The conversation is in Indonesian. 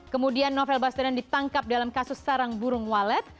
kemudian novel baswedan ditangkap dalam kasus sarang burung walet